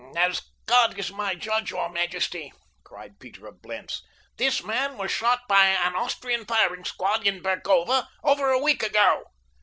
"As God is my judge, your majesty," cried Peter of Blentz, "this man was shot by an Austrian firing squad in Burgova over a week ago."